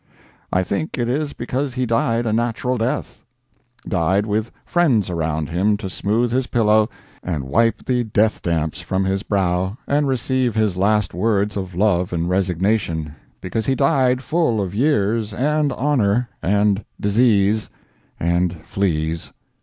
I think it is because he died a natural death: died with friends around him to smooth his pillow and wipe the death damps from his brow, and receive his last words of love and resignation; because he died full of years, and honor, and disease, and fleas.